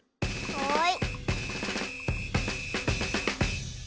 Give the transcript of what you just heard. はい！